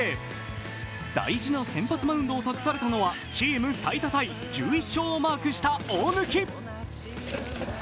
大事な先発マウンドを託されたのはチーム最多タイ１１勝をマークした大貫。